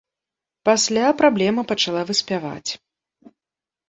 Пасля праблема пачала выспяваць.